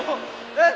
えっ？